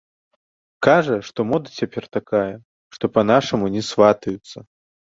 Кажа, што мода цяпер такая, што па-нашаму не сватаюцца.